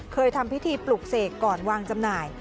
เคยทำพิธีปลุกเสกก่อนวางจำหน่าย